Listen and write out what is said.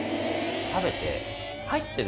食べて。